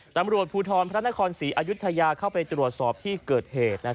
ตำรวจภูทรพระนครศรีอายุทยาเข้าไปตรวจสอบที่เกิดเหตุ